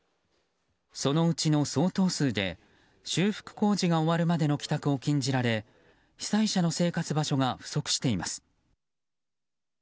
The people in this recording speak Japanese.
そのうちの相当数で修復工事が終わるまでの帰宅を禁じられ被災者の生活場所が不足しています。